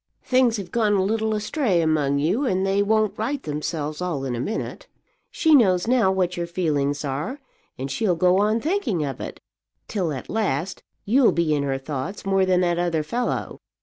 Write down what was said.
Things have gone a little astray among you, and they won't right themselves all in a minute. She knows now what your feelings are, and she'll go on thinking of it, till at last you'll be in her thoughts more than that other fellow.